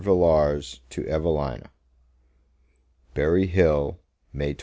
VILLARS TO EVELINA Berry Hill, May 28.